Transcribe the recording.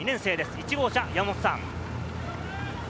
１号車、山本さん。